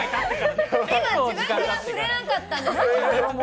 今、自分から触れなかったんですよ。